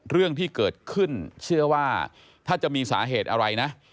เรื่องที่เกิดขึ้นเชื่อว่าถ้าจะมีสาเหตุอะไรนะ